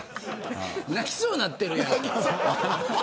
泣きそうになってるやん。